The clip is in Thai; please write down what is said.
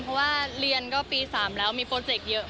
เพราะว่าเรียนก็ปี๓แล้วมีโฟเจกท์เยอะมาก